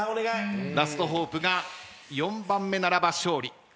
『ラストホープ』が４番目ならば勝利。